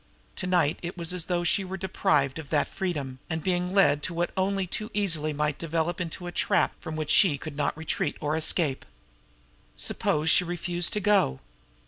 To night it was as though she were deprived of that freedom, and being led into what only too easily might develop into a trap from which she could not retreat or escape. Suppose she refused to go?